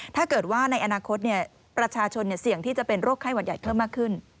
ถ้าเกิดว่าในอนาคตประชาชนเสี่ยงที่จะเป็นโรคไข้หวัดใหญ่เพิ่มมากขึ้น